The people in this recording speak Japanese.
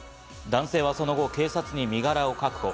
男性はその後、警察に身柄を確保。